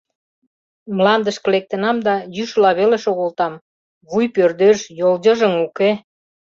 Мландышке лектынам да йӱшыла веле шогылтам: вуй пӧрдеш, йолйыжыҥ уке.